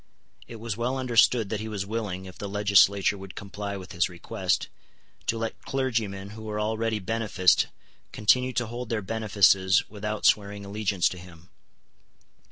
It was well understood that he was willing, if the legislature would comply with his request, to let clergymen who were already beneficed continue to hold their benefices without swearing allegiance to him.